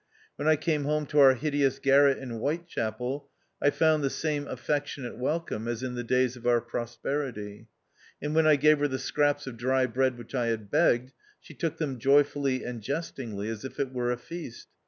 When I came home to our hideous garret in Whitechapel, I found the same affectionate welcome as in the days of our prosperity ; and when I gave her the scraps of dry bread which I had begged, she took them joyfully and jestingly, as if it were a feast.